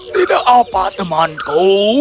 tidak apa temanku